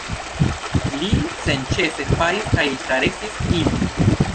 Li senĉese flaris kaj karesis ilin.